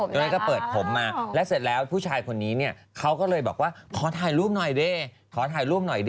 ตัวเองก็เปิดผมมาแล้วเสร็จแล้วผู้ชายคนนี้เนี่ยเขาก็เลยบอกว่าขอถ่ายรูปหน่อยดิขอถ่ายรูปหน่อยดิ